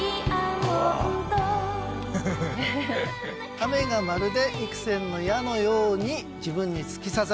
雨がまるで幾千の矢のように自分に突き刺さる。